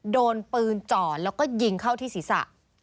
โดนปืนจ่อแล้วก็ยิงเข้าที่ศีรษะ